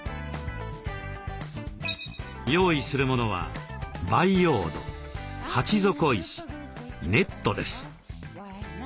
用意するものは培養土鉢底石ネットです。